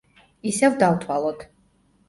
ისევ დავთვალოთ.